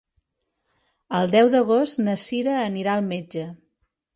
El deu d'agost na Sira anirà al metge.